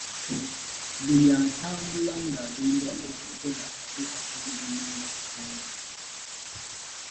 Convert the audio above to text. Buli atambula ng’agenda okukola atuuka ku mulimu ng’akooye.